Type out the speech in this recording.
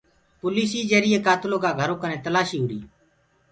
پوليسيٚ جرئي ڪآتلو ڪآ گھرو ڪيٚ تلآسيٚ هوُري۔